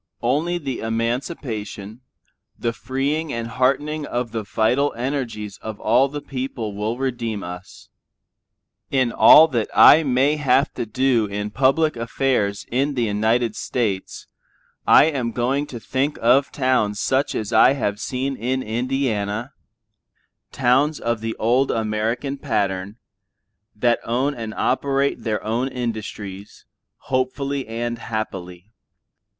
Only the emancipation, the freeing and heartening of the vital energies of all the people will redeem us. In all that I may have to do in public affairs in the United States I am going to think of towns such as I have seen in Indiana, towns of the old American pattern, that own and operate their own industries, hopefully and happily.